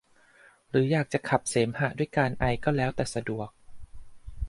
หรืออยากจะขับเสมหะด้วยการไอก็แล้วแต่สะดวก